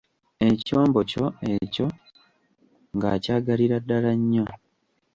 Ekyombo, kyo ekyo ng'akyagalira ddala nnyo.